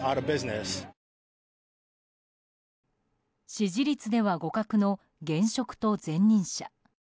支持率では互角の現職と前任者。